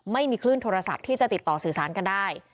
ไม่มีคลื่นโทรศัพท์ที่จะติดต่อสื่อสารกันได้